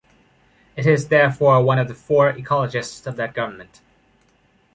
It is therefore one of the four ecologists of that government.